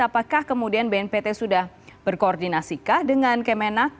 apakah kemudian bnpt sudah berkoordinasi kah dengan kemenak